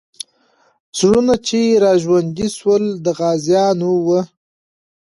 زړونه چې راژوندي سول، د غازیانو وو.